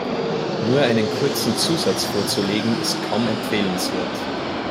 Nur einen kurzen Zusatz vorzulegen, ist kaum empfehlenswert.